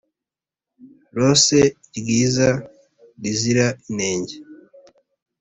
Rose ryiza rizira inenge